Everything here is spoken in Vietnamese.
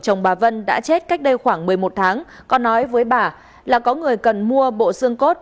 chồng bà vân đã chết cách đây khoảng một mươi một tháng còn nói với bà là có người cần mua bộ xương cốt